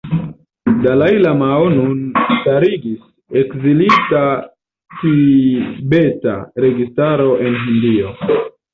Dalai Lamao nun starigis Ekzilita tibeta registaro en Hindio.